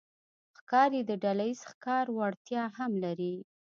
ښکاري د ډلهییز ښکار وړتیا هم لري.